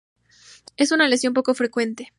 Es una lesión poco frecuente.